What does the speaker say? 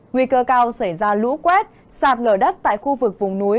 nguy cơ cao xảy ra lũ quét sạt lở đất tại khu vực vùng núi